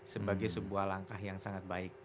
sebagai sebuah langkah yang sangat baik